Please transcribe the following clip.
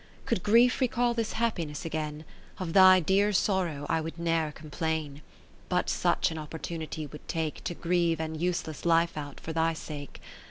Could grief recall this happiness again. Of thy dear sorrow I would ne'er complain, 70 But such an opportunity would take To grieve an useless life out for thy sake.